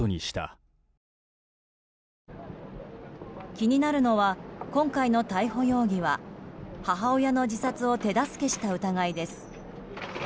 気になるのは今回の逮捕容疑は母親の自殺を手助けした疑いです。